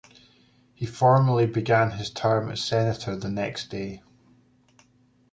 He formally began his term as Senator the next day.